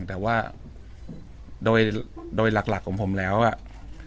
แต่ว่าโดยหลักของผมแล้วอ่ะ